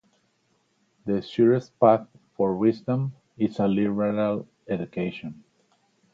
The surest path to wisdom is a liberal education.